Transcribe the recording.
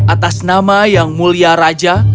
atas nama yang mulia raja